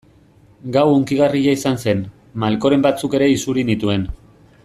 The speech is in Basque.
Gau hunkigarria izan zen, malkoren batzuk ere isuri nituen.